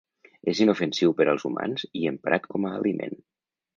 És inofensiu per als humans i emprat com a aliment.